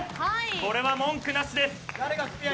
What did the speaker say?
これは文句なしです。